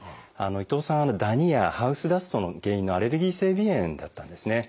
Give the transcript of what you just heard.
伊藤さんダニやハウスダストの原因のアレルギー性鼻炎だったんですね。